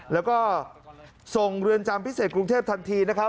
แล้วก็ส่งเรือนจำพิเศษกรุงเทพทันทีนะครับ